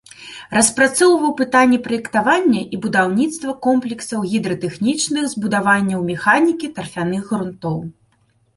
Распрацоўваў пытанні праектавання і будаўніцтва комплексаў гідратэхнічных збудаванняў механікі тарфяных грунтоў.